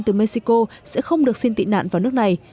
từ mexico sẽ không được xin tị nạn vào nước này